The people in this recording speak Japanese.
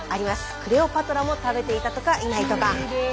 クレオパトラも食べていたとかいないとか。